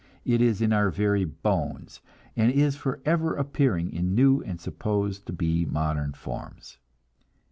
It is in our very bones, and is forever appearing in new and supposed to be modern forms.